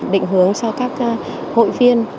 định hướng cho các hội viên